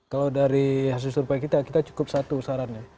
kalau dari hasil survei kita kita cukup satu sarannya